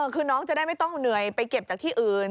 คือน้องจะได้ไม่ต้องเหนื่อยไปเก็บจากที่อื่น